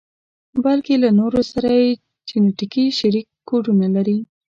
بلکې له نورو سره چې جنتیکي شريک کوډونه لري.